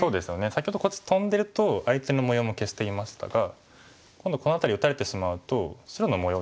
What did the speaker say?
先ほどこっちトンでると相手の模様も消していましたが今度この辺り打たれてしまうと白の模様